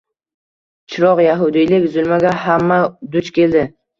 Chiroq yahudiylik zulmiga hamma duch keldi